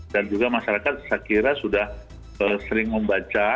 dan juga masyarakat saya kira sudah sering membaca